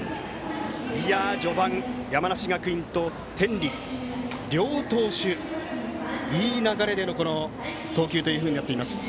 序盤、山梨学院と天理両投手、いい流れでの投球となっています。